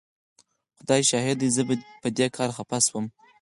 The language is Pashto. خدای شاهد دی زه په دې کار خفه شوم.